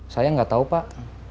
saya gak tahu pak